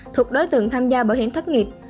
thuộc đối tượng tham gia bảo hiểm thất nghiệp